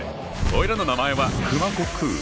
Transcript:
おいらの名前は熊悟空。